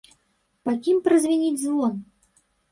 Па кім празвініць звон?